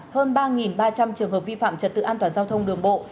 hơn ba ba trăm linh trường hợp vi phạm trật tự an toàn giao thông đường bộ